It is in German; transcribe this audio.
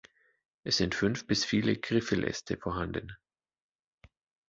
Es sind fünf bis viele Griffeläste vorhanden.